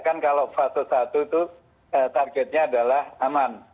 kan kalau fase satu itu targetnya adalah aman